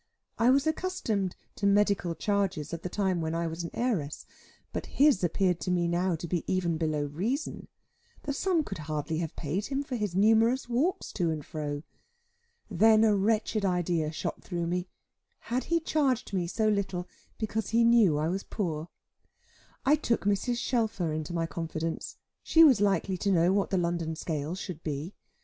I was accustomed to medical charges of the time when I was an heiress: but his appeared to me now to be even below reason. The sum could hardly have paid him for his numerous walks to and fro. Then a wretched idea shot through me: had he charged me so little, because he knew I was poor? I took Mrs. Shelfer into my confidence; she was likely to know what the London scale should be.